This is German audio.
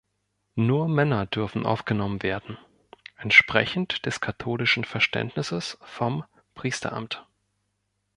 Nur Männer dürfen aufgenommen werden, entsprechend des katholischen Verständnisses vom Priesteramt.